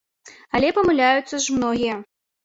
Але памыляюцца ж многія.